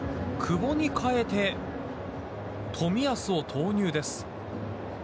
久保に代えて冨安を投入です。